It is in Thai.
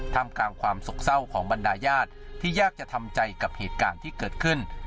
ทำกลางความสกเศร้าของบรรดาญาติที่ยากจะทำใจกับเหตุการณ์ที่เกิดขึ้น